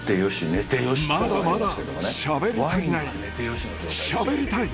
まだまだしゃべり足りないしゃべりたい！